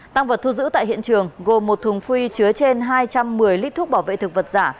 tăng vật thu giữ tại hiện trường gồm một thùng phi chứa trên hai trăm một mươi lít thuốc bảo vệ thực vật giả